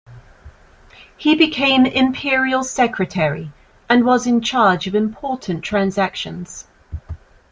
He became imperial secretary and was in charge of important transactions.